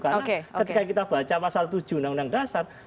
karena ketika kita baca pasal tujuh undang undang dasar